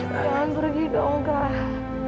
jangan pergi dong kak